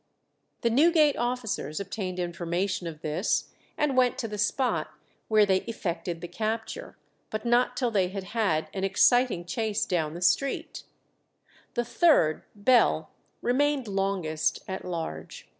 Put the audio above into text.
The Newgate officers obtained information of this, and went to the spot, where they effected the capture, but not till they had had an exciting chase down the street. The third, Bell, remained longest at large.